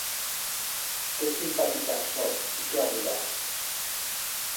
Qué simpaticas soz y qué agudas!